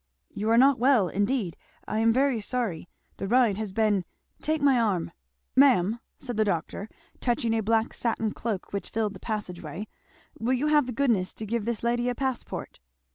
"You are not well, indeed! I am very sorry the ride has been Take my arm! Ma'am," said the doctor touching a black satin cloak which filled the passage way, "will you have the goodness to give this lady a passport?"